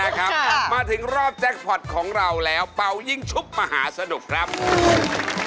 แล้วก็กดเอาล่ายังไม่มีเพลิง